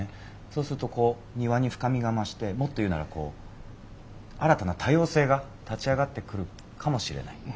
そうするとこう庭に深みが増してもっと言うならこう新たな多様性が立ち上がってくるかもしれない。